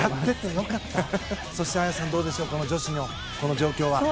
そして綾さん、どうでしょうこの女子の状況は。